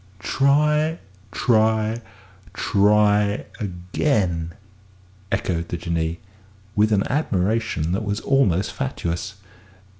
"'Try, try, try again,'" echoed the Jinnee, with an admiration that was almost fatuous.